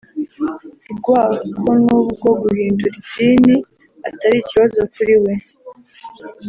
rw ko n’ubwo guhindura idini atari ikibazo kuri we